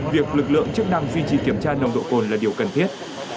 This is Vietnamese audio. việc lực lượng chức năng duy trì kiểm tra nồng độ cồn là điều cần thiết